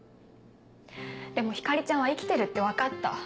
でも光莉ちゃんは生きてるって分かった。